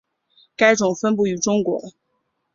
该种分布于中国。